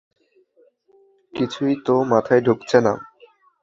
কিছুই তো মাথায় ঢুকছে না।